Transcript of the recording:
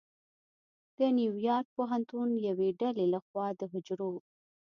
د نیویارک پوهنتون یوې ډلې لخوا د حجرو